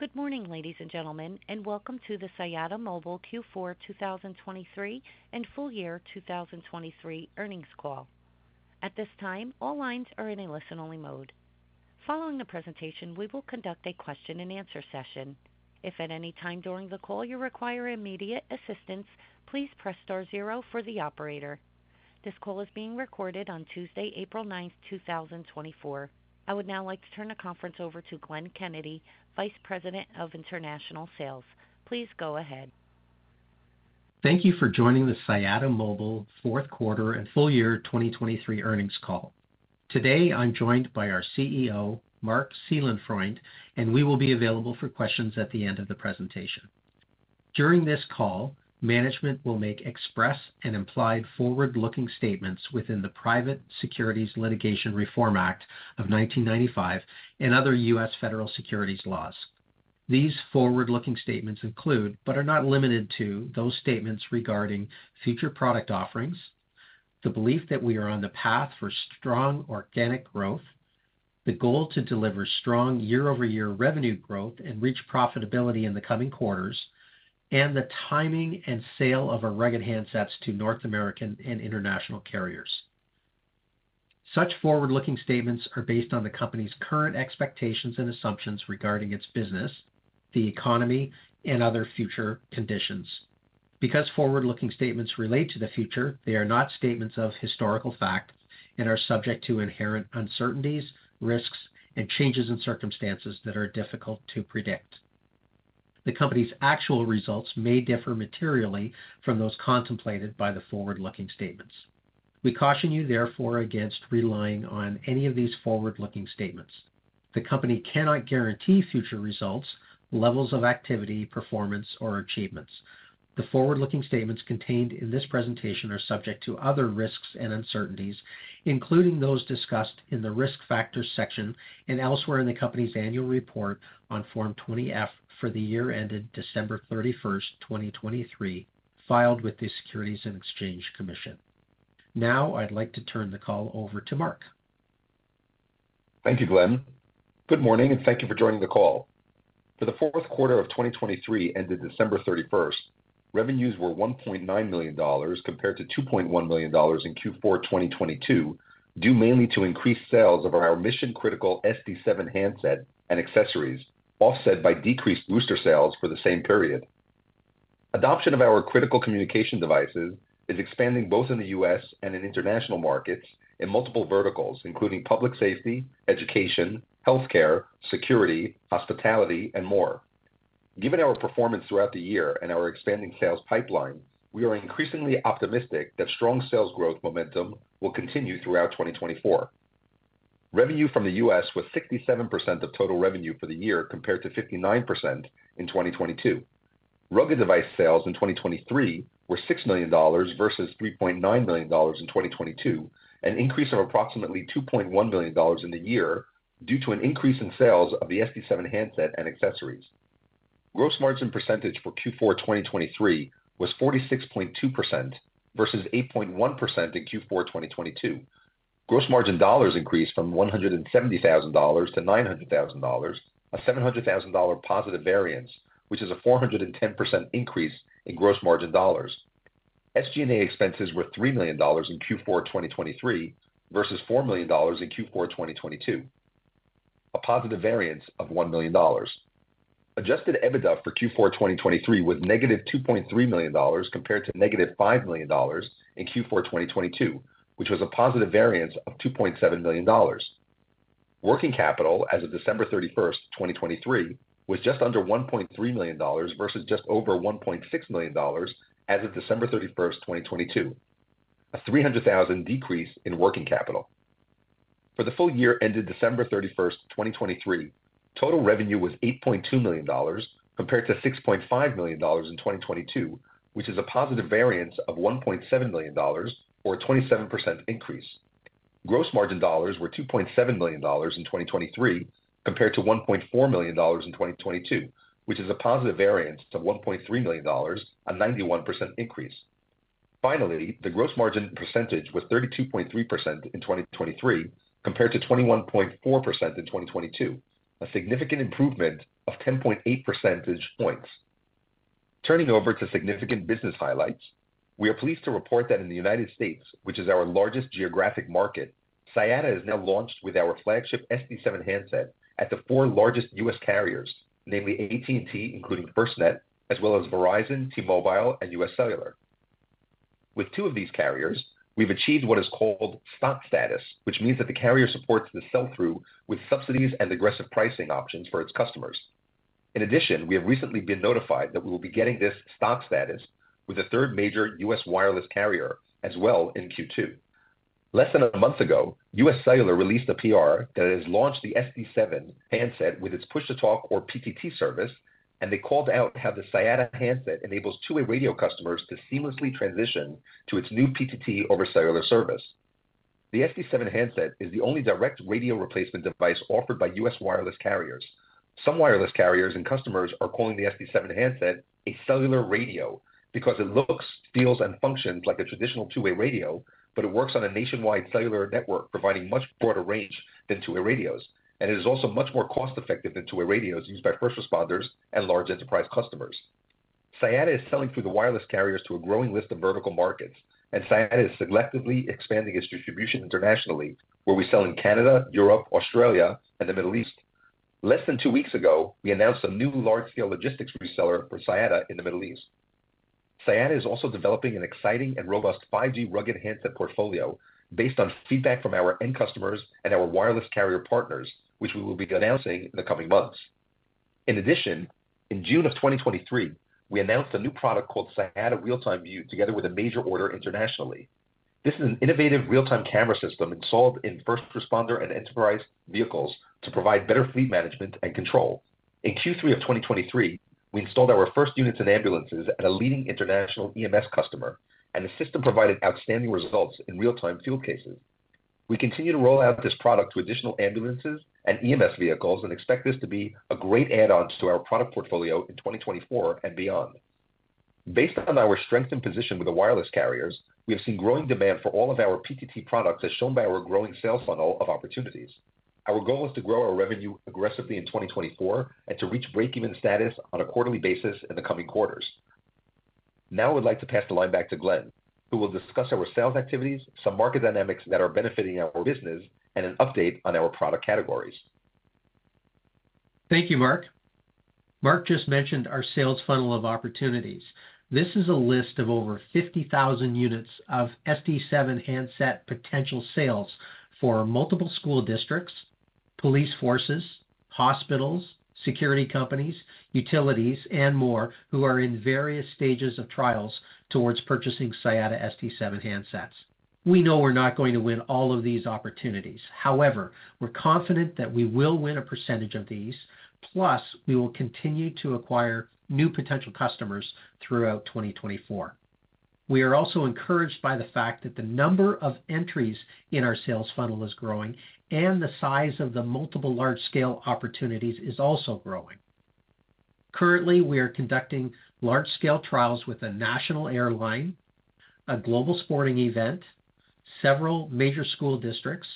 Good morning, ladies and gentlemen, and welcome to the Siyata Mobile Q4 2023 and Full year 2023 Earnings Call. At this time, all lines are in a listen-only mode. Following the presentation, we will conduct a question-and-answer session. If at any time during the call you require immediate assistance, please press star zero for the operator. This call is being recorded on Tuesday, April ninth, two thousand twenty-four. I would now like to turn the conference over to Glenn Kennedy, Vice President of International Sales. Please go ahead. Thank you for joining the Siyata Mobile fourth quarter and full year 2023 earnings call. Today, I'm joined by our CEO, Marc Seelenfreund, and we will be available for questions at the end of the presentation. During this call, management will make express and implied forward-looking statements within the Private Securities Litigation Reform Act of 1995 and other U.S. federal securities laws. These forward-looking statements include, but are not limited to, those statements regarding future product offerings, the belief that we are on the path for strong organic growth, the goal to deliver strong year-over-year revenue growth and reach profitability in the coming quarters, and the timing and sale of our rugged handsets to North American and international carriers. Such forward-looking statements are based on the company's current expectations and assumptions regarding its business, the economy, and other future conditions. Because forward-looking statements relate to the future, they are not statements of historical fact and are subject to inherent uncertainties, risks, and changes in circumstances that are difficult to predict. The company's actual results may differ materially from those contemplated by the forward-looking statements. We caution you, therefore, against relying on any of these forward-looking statements. The company cannot guarantee future results, levels of activity, performance, or achievements. The forward-looking statements contained in this presentation are subject to other risks and uncertainties, including those discussed in the Risk Factors section and elsewhere in the company's annual report on Form 20-F for the year ended December 31, 2023, filed with the Securities and Exchange Commission. Now, I'd like to turn the call over to Marc. Thank you, Glenn. Good morning, and thank you for joining the call. For the fourth quarter of 2023, ended December 31, revenues were $1.9 million compared to $2.1 million in Q4 2022, due mainly to increased sales of our mission-critical SD7 handset and accessories, offset by decreased booster sales for the same period. Adoption of our critical communication devices is expanding both in the U.S. and in international markets in multiple verticals, including public safety, education, healthcare, security, hospitality, and more. Given our performance throughout the year and our expanding sales pipeline, we are increasingly optimistic that strong sales growth momentum will continue throughout 2024. Revenue from the U.S. was 67% of total revenue for the year, compared to 59% in 2022. Rugged device sales in 2023 were $6 million versus $3.9 million in 2022, an increase of approximately $2.1 million in the year due to an increase in sales of the SD7 handset and accessories. Gross margin percentage for Q4 2023 was 46.2% versus 8.1% in Q4 2022. Gross margin dollars increased from $170,000 to $900,000, a $700,000 positive variance, which is a 410% increase in gross margin dollars. SG&A expenses were $3 million in Q4 2023 versus $4 million in Q4 2022, a positive variance of $1 million. Adjusted EBITDA for Q4 2023 was -$2.3 million, compared to -$5 million in Q4 2022, which was a positive variance of $2.7 million. Working capital as of December 31, 2023, was just under $1.3 million versus just over $1.6 million as of December 31, 2022, a $300,000 decrease in working capital. For the full year ended December 31, 2023, total revenue was $8.2 million, compared to $6.5 million in 2022, which is a positive variance of $1.7 million or a 27% increase. Gross margin dollars were $2.7 million in 2023, compared to $1.4 million in 2022, which is a positive variance to $1.3 million, a 91% increase. Finally, the gross margin percentage was 32.3% in 2023, compared to 21.4% in 2022, a significant improvement of 10.8 percentage points. Turning over to significant business highlights, we are pleased to report that in the United States, which is our largest geographic market, Siyata is now launched with our flagship SD7 handset at the four largest U.S. carriers, namely AT&T, including FirstNet, as well as Verizon, T-Mobile, and UScellular. With two of these carriers, we've achieved what is called Spot Status, which means that the carrier supports the sell-through with subsidies and aggressive pricing options for its customers. In addition, we have recently been notified that we will be getting this Spot Status with a third major U.S. wireless carrier as well in Q2. Less than a month ago, UScellular released a PR that it has launched the SD7 handset with its push-to-talk, or PTT, service, and they called out how the Siyata handset enables two-way radio customers to seamlessly transition to its new PTT over cellular service. The SD7 handset is the only direct radio replacement device offered by U.S. wireless carriers. Some wireless carriers and customers are calling the SD7 handset a cellular radio because it looks, feels, and functions like a traditional two-way radio, but it works on a nationwide cellular network, providing much broader range than two-way radios, and it is also much more cost-effective than two-way radios used by first responders and large enterprise customers. Siyata is selling through the wireless carriers to a growing list of vertical markets, and Siyata is selectively expanding its distribution internationally, where we sell in Canada, Europe, Australia, and the Middle East. Less than 2 weeks ago, we announced a new large-scale logistics reseller for Siyata in the Middle East. Siyata is also developing an exciting and robust 5G rugged handset portfolio based on feedback from our end customers and our wireless carrier partners, which we will be announcing in the coming months. In addition, in June of 2023, we announced a new product called Siyata Real-Time View, together with a major order internationally. This is an innovative real-time camera system installed in first responder and enterprise vehicles to provide better fleet management and control. In Q3 of 2023, we installed our first units and ambulances at a leading international EMS customer, and the system provided outstanding results in real-time field cases. We continue to roll out this product to additional ambulances and EMS vehicles and expect this to be a great add-on to our product portfolio in 2024 and beyond. Based on our strength and position with the wireless carriers, we have seen growing demand for all of our PTT products, as shown by our growing sales funnel of opportunities. Our goal is to grow our revenue aggressively in 2024 and to reach breakeven status on a quarterly basis in the coming quarters. Now I would like to pass the line back to Glenn, who will discuss our sales activities, some market dynamics that are benefiting our business, and an update on our product categories. Thank you, Marc. Marc just mentioned our sales funnel of opportunities. This is a list of over 50,000 units of SD7 handset potential sales for multiple school districts, police forces, hospitals, security companies, utilities, and more, who are in various stages of trials towards purchasing Siyata SD7 handsets. We know we're not going to win all of these opportunities. However, we're confident that we will win a percentage of these. Plus, we will continue to acquire new potential customers throughout 2024. We are also encouraged by the fact that the number of entries in our sales funnel is growing and the size of the multiple large-scale opportunities is also growing. Currently, we are conducting large-scale trials with a national airline, a global sporting event, several major school districts,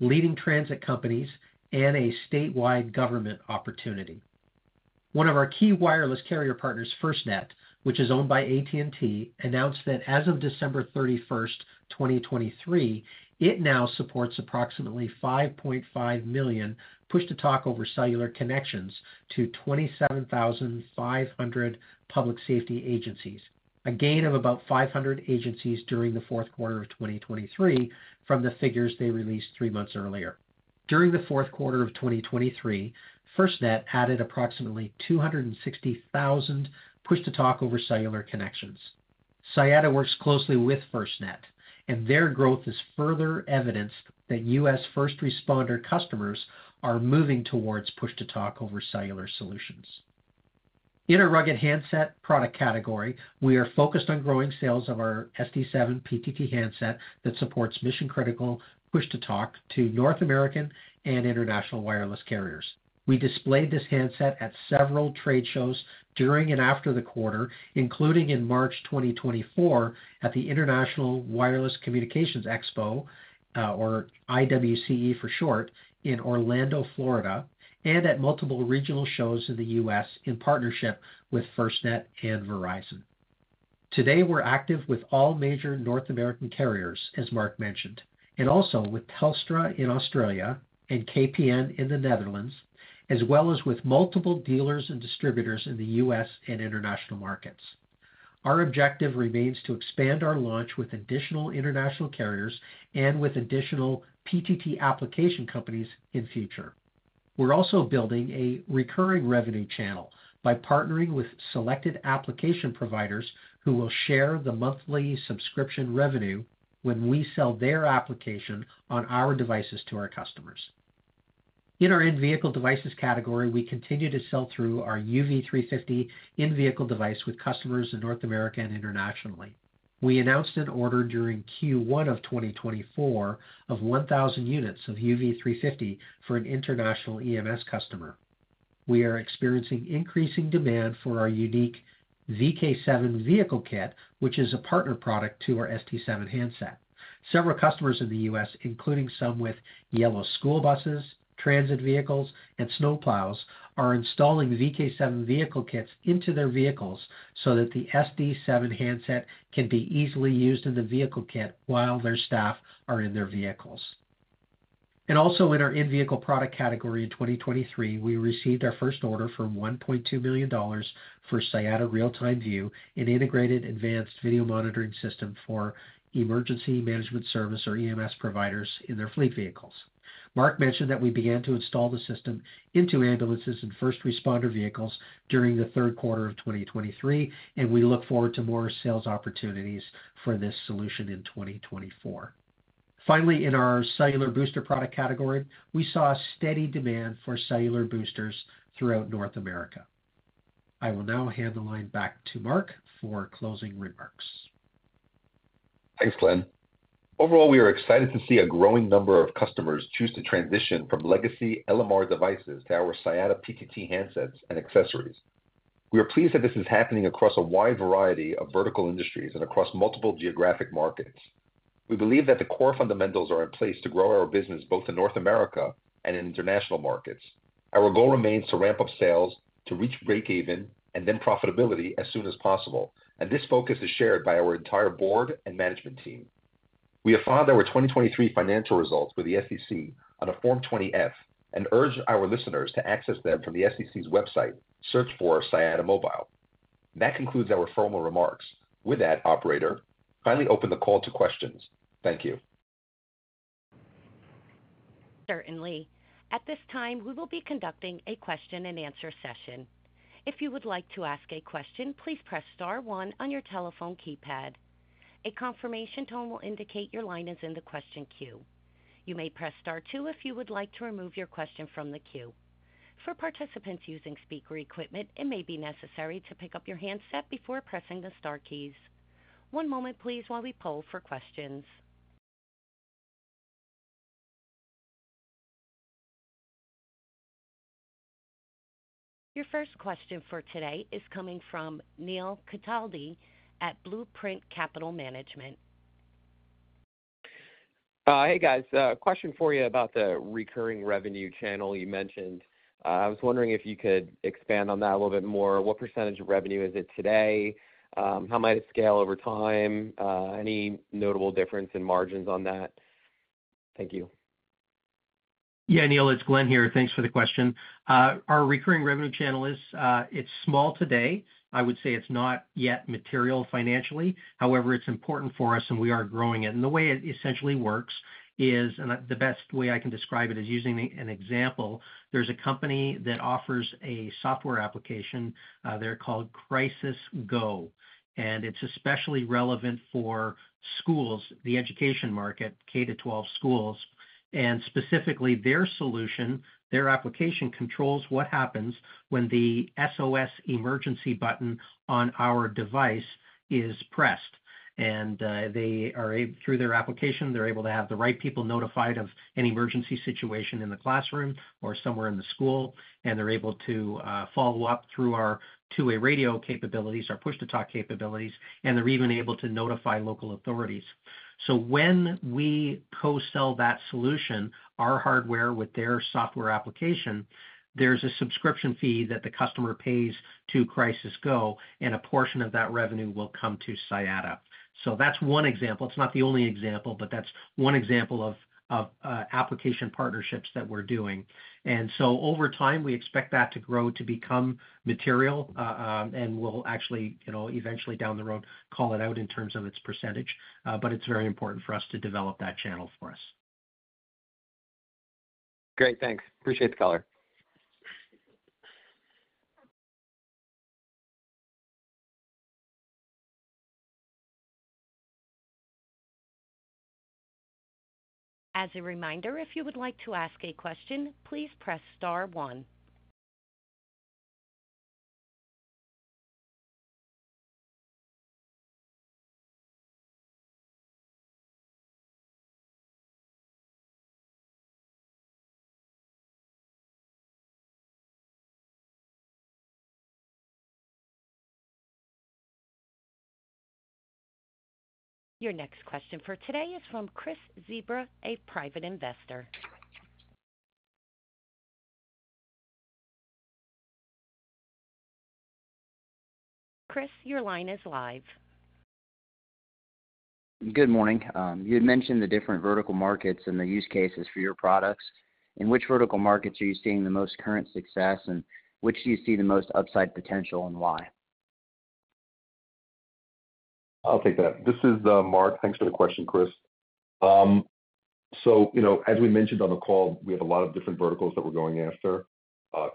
leading transit companies, and a statewide government opportunity. One of our key wireless carrier partners, FirstNet, which is owned by AT&T, announced that as of December 31, 2023, it now supports approximately 5.5 million push-to-talk over cellular connections to 27,500 public safety agencies, a gain of about 500 agencies during the fourth quarter of 2023 from the figures they released three months earlier. During the fourth quarter of 2023, FirstNet added approximately 260,000 push-to-talk over cellular connections. Siyata works closely with FirstNet, and their growth is further evidence that US first responder customers are moving towards push-to-talk over cellular solutions. In a rugged handset product category, we are focused on growing sales of our SD7 PTT handset that supports mission-critical, push-to-talk to North American and international wireless carriers. We displayed this handset at several trade shows during and after the quarter, including in March 2024 at the International Wireless Communications Expo, or IWCE for short, in Orlando, Florida, and at multiple regional shows in the U.S. in partnership with FirstNet and Verizon. Today, we're active with all major North American carriers, as Marc mentioned, and also with Telstra in Australia and KPN in the Netherlands, as well as with multiple dealers and distributors in the U.S. and international markets. Our objective remains to expand our launch with additional international carriers and with additional PTT application companies in future. We're also building a recurring revenue channel by partnering with selected application providers, who will share the monthly subscription revenue when we sell their application on our devices to our customers. In our in-vehicle devices category, we continue to sell through our UV350 in-vehicle device with customers in North America and internationally. We announced an order during Q1 of 2024 of 1,000 units of UV350 for an international EMS customer. We are experiencing increasing demand for our unique VK7 vehicle kit, which is a partner product to our SD7 handset. Several customers in the U.S., including some with yellow school buses, transit vehicles, and snowplows, are installing VK7 vehicle kits into their vehicles so that the SD7 handset can be easily used in the vehicle kit while their staff are in their vehicles. Also in our in-vehicle product category in 2023, we received our first order for $1.2 million for Siyata Real-Time View, an integrated advanced video monitoring system for emergency management service or EMS providers in their fleet vehicles. Mark mentioned that we began to install the system into ambulances and first responder vehicles during the third quarter of 2023, and we look forward to more sales opportunities for this solution in 2024. Finally, in our cellular booster product category, we saw a steady demand for cellular boosters throughout North America. I will now hand the line back to Mark for closing remarks. Thanks, Glenn. Overall, we are excited to see a growing number of customers choose to transition from legacy LMR devices to our Siyata PTT handsets and accessories. We are pleased that this is happening across a wide variety of vertical industries and across multiple geographic markets. We believe that the core fundamentals are in place to grow our business, both in North America and in international markets. Our goal remains to ramp up sales, to reach breakeven, and then profitability as soon as possible, and this focus is shared by our entire board and management team. We have filed our 2023 financial results with the SEC on a Form 20-F and urge our listeners to access them from the SEC's website. Search for Siyata Mobile. That concludes our formal remarks. With that, operator, kindly open the call to questions. Thank you. Certainly. At this time, we will be conducting a question and answer session. If you would like to ask a question, please press star one on your telephone keypad. A confirmation tone will indicate your line is in the question queue. You may press star two if you would like to remove your question from the queue. For participants using speaker equipment, it may be necessary to pick up your handset before pressing the star keys. One moment, please, while we poll for questions. Your first question for today is coming from Neil Cataldi at Blueprint Capital Management. Hey, guys, question for you about the recurring revenue channel you mentioned. I was wondering if you could expand on that a little bit more. What percentage of revenue is it today? How might it scale over time? Any notable difference in margins on that? Thank you. Yeah, Neil, it's Glenn here. Thanks for the question. Our recurring revenue channel is, it's small today. I would say it's not yet material financially. However, it's important for us, and we are growing it. The way it essentially works is, and the best way I can describe it is using an example. There's a company that offers a software application. They're called CrisisGo, and it's especially relevant for schools, the education market, K-12 schools. Specifically, their solution, their application controls what happens when the SOS emergency button on our device is pressed, and through their application, they're able to have the right people notified of an emergency situation in the classroom or somewhere in the school, and they're able to follow up through our two-way radio capabilities, our push-to-talk capabilities, and they're even able to notify local authorities. So when we co-sell that solution, our hardware with their software application, there's a subscription fee that the customer pays to CrisisGo, and a portion of that revenue will come to Siyata. So that's one example. It's not the only example, but that's one example of application partnerships that we're doing. And so over time, we expect that to grow to become material, and we'll actually, you know, eventually, down the road, call it out in terms of its percentage. But it's very important for us to develop that channel for us. Great, thanks. Appreciate the call here. As a reminder, if you would like to ask a question, please press star one. Your next question for today is from Chris Zebra, a private investor. Chris, your line is live. Good morning. You had mentioned the different vertical markets and the use cases for your products. In which vertical markets are you seeing the most current success, and which do you see the most upside potential, and why? I'll take that. This is Marc. Thanks for the question, Chris. So, you know, as we mentioned on the call, we have a lot of different verticals that we're going after,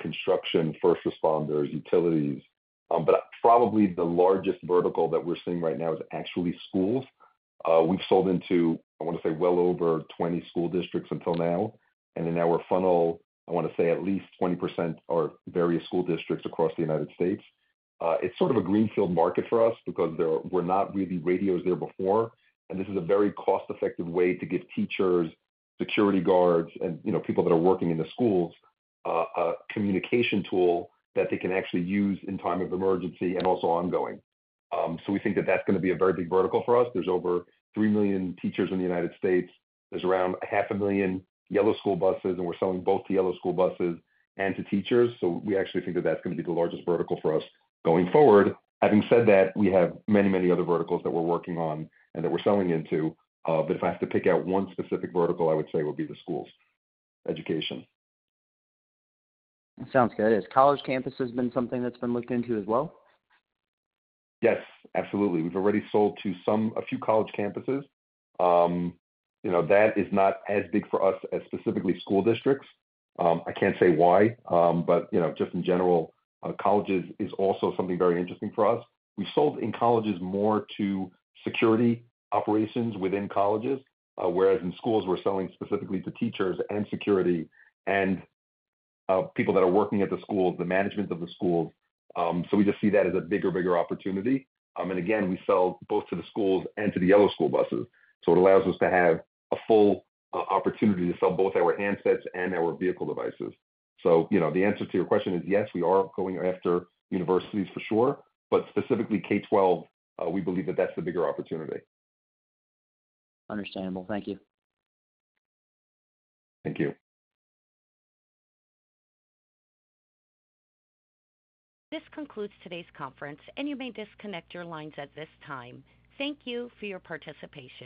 construction, first responders, utilities. But probably the largest vertical that we're seeing right now is actually schools. We've sold into, I want to say, well over 20 school districts until now, and in our funnel, I want to say at least 20% are various school districts across the United States. It's sort of a greenfield market for us because there were not really radios there before, and this is a very cost-effective way to give teachers, security guards and, you know, people that are working in the schools, a communication tool that they can actually use in time of emergency and also ongoing. So we think that that's gonna be a very big vertical for us. There's over 3 million teachers in the United States. There's around 500,000 yellow school buses, and we're selling both to yellow school buses and to teachers. So we actually think that that's gonna be the largest vertical for us going forward. Having said that, we have many, many other verticals that we're working on and that we're selling into. But if I have to pick out one specific vertical, I would say it would be the schools. Education. Sounds good. Has college campuses been something that's been looked into as well? Yes, absolutely. We've already sold to some, a few college campuses. You know, that is not as big for us as specifically school districts. I can't say why, but you know, just in general, colleges is also something very interesting for us. We sold in colleges more to security operations within colleges, whereas in schools we're selling specifically to teachers and security and, people that are working at the schools, the management of the schools. So we just see that as a bigger and bigger opportunity. And again, we sell both to the schools and to the yellow school buses, so it allows us to have a full opportunity to sell both our handsets and our vehicle devices. You know, the answer to your question is yes, we are going after universities for sure, but specifically K-12, we believe that that's the bigger opportunity. Understandable. Thank you. Thank you. This concludes today's conference, and you may disconnect your lines at this time. Thank you for your participation.